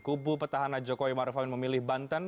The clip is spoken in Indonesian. kubu petahana jokowi marufamin memilih banten